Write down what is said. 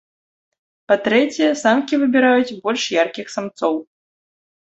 Па-трэцяе, самкі выбіраюць больш яркіх самцоў.